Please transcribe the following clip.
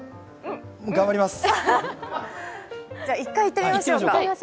頑張ります。